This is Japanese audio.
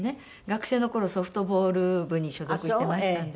学生の頃ソフトボール部に所属してましたんで。